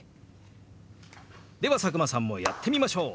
では佐久間さんもやってみましょう！